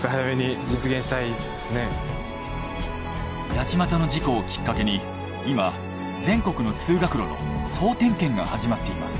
八街の事故をきっかけに今全国の通学路の総点検が始まっています。